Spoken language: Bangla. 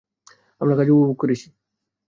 আমরা কাজ উপভোগ করেছি।